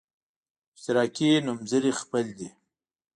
اشتراکي نومځري خپل دی.